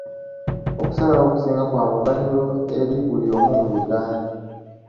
Okusalawo okusinga kwa muganyulo eri buli omu mu Uganda.